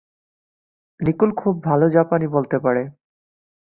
Nicole খুব ভালো জাপানী বলতে পারে।